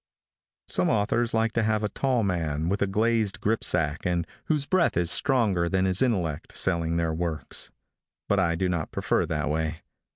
Some authors like to have a tall man, with a glazed grip sack, and whose breath is stronger than his intellect, selling their works; but I do not prefer that way.